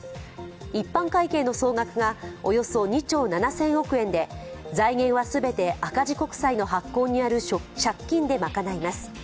一般会計の総額がおよそ２兆７０００億円で、財源はすべて赤字国債の発行による借金で賄います。